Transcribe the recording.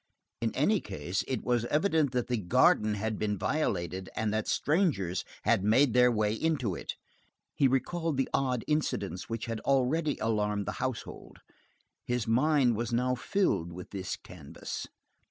In any case, it was evident that the garden had been violated, and that strangers had made their way into it. He recalled the odd incidents which had already alarmed the household. His mind was now filling in this canvas.